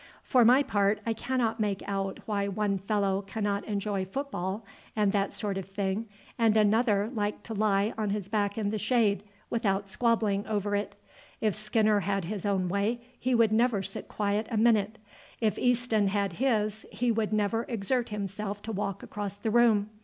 For my part I cannot make out why one fellow cannot enjoy football and that sort of thing, and another like to lie on his back in the shade, without squabbling over it. If Skinner had his own way he would never sit quiet a minute, if Easton had his he would never exert himself to walk across the room.